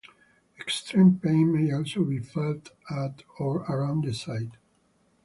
Extreme pain may also be felt at or around the site.